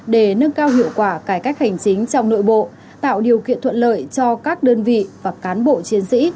để nâng cao hiệu quả cải cách hành chính trong nội bộ tạo điều kiện thuận lợi cho các đơn vị và cán bộ chiến sĩ